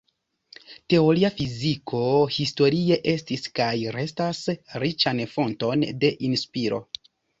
Teoria fiziko historie estis, kaj restas, riĉan fonton de inspiro.